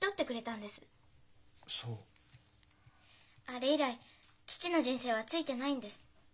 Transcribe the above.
あれ以来父の人生はツイてないんです。